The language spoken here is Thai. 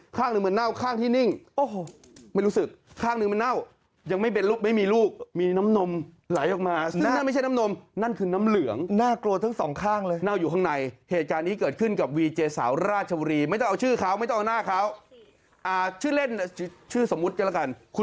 ข้างหนึ่งมันเน่าข้างที่นิ่ง